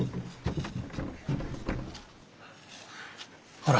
ほら。